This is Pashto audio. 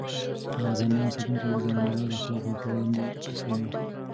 هغه زندان ساتونکی اوس د منډېلا د اخلاقو په وړاندې تسلیم و.